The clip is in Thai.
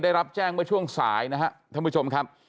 ได้รับแจ้งไว้ช่วงสายนะฮะท่านผู้ชมครับ